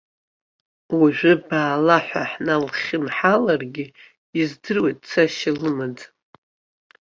Уажәы баала ҳәа ҳналхьынҳаларгьы, издыруеит, цашьа лымаӡам.